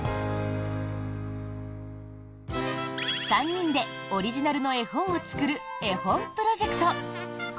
３人でオリジナルの絵本を作る絵本プロジェクト。